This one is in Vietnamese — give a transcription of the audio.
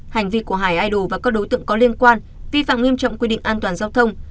hành vi của hải idu và các đối tượng có liên quan vi phạm nghiêm trọng quy định an toàn giao thông